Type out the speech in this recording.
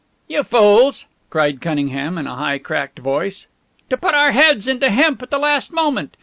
"You fools!" cried Cunningham in a high, cracked voice. "To put our heads into hemp at the last moment.